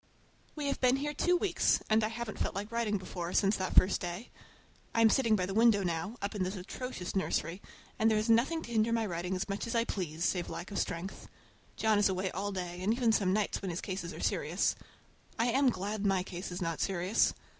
We have been here two weeks, and I haven't felt like writing before, since that first day. I am sitting by the window now, up in this atrocious nursery, and there is nothing to hinder my writing as much as I please, save lack of strength. John is away all day, and even some nights when his cases are serious. I am glad my case is not serious!